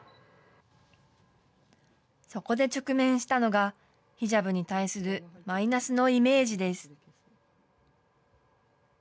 そこで直面したのが、ヒジャブに対するマイナスのイメージです。